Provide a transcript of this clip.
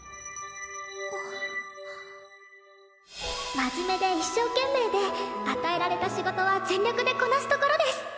真面目で一生懸命で与えられた仕事は全力でこなすところです。